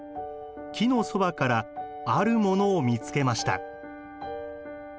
木のそばからあるものを見つけました。